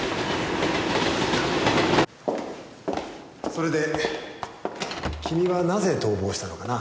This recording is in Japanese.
それで君はなぜ逃亡したのかな？